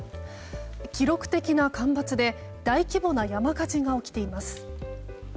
記録的な干ばつで大規模な山火事が起きています。